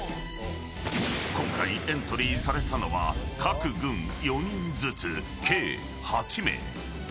今回エントリーされたのは各軍４人ずつ計８名。